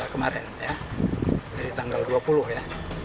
kemarin ya dari tanggal dua puluh ya